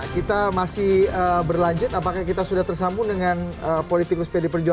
kita akan bahas itu saja